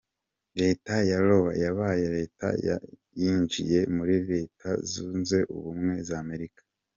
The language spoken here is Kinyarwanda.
Leta ya Iowa yabaye leta ya yinjiye muri Leta zunze ubumwe za Amerika.